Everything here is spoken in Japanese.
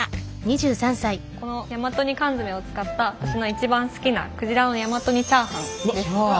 この大和煮缶詰を使った私の一番好きな鯨の大和煮チャーハンです。